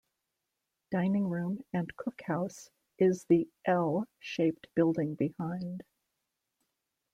Dining room and cook house is the "L" shaped building behind.